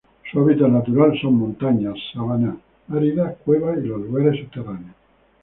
Su hábitat natural son: montañas, sabanas áridas, cuevas, y los lugares subterráneos.